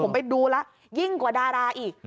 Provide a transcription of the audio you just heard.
ผมไปดูแล้วยิ่งกว่าดาราอีก